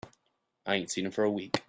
I ain't seen him for a week.